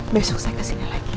besok saya kesini lagi